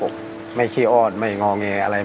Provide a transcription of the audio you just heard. แล้วก็ภูมิใจที่เขาเป็นเด็กที่ว่านอนสอนง่ายครับผม